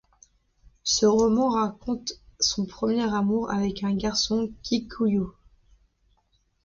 Ce roman raconte son premier amour avec un garçon kikuyu.